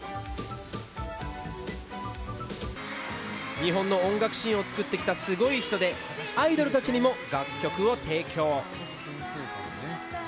日本の音楽シーンを作ってきたすごい人でアイドルたちにも楽曲を提供。